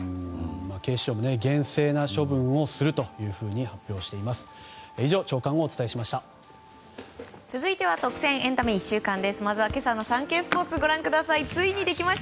警視庁も厳正な処分をするというふうに発表しています。